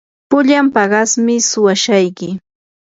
pullan paqasmi suwashayki.